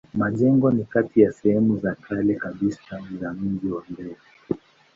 Majengo ni kati ya sehemu za kale kabisa za mji wa Mbeya.